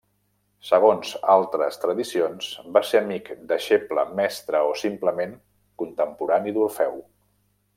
Segons altres tradicions va ser amic, deixeble, mestre, o simplement contemporani d'Orfeu.